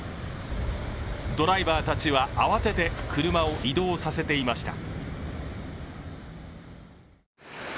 ドライバーたちは慌てて車を移動させていてました。